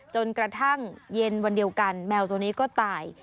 จนกระทั่งเย็นวันเดียวกันแมวตัวนี้ก็ตาย